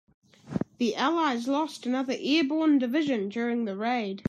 The allies lost another airborne division during the raid.